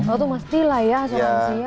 oh itu mesti lah ya asuransi ya